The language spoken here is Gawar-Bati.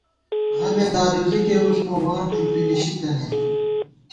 غمے دادُوزی کېرُس مو ، واٹ ݫُپی نِشِی تَنَئیم